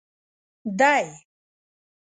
دی.